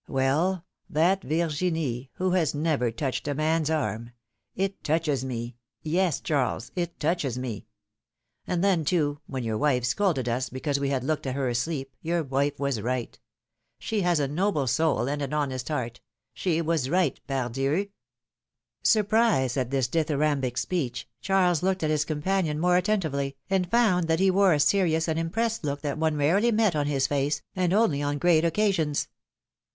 Well ! that Virginie, who has never touched a man's arm — it touches me, yes, Charles, it touches me ! And then, too, when your wife scolded us, because we had looked at her asleep — your wife was right ! She has a noble soul and an honest heart ! She was right, pardieu !" Surprised at this dithyrambic speech, Charles looked at his companion more attentively, and found that he wore a serious and impressed look that one rarely met on his face, and only on great occasions.